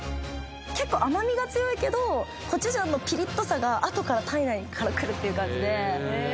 結構甘みが強いけどコチュジャンのピリッとさがあとから体内から来るっていう感じでへえ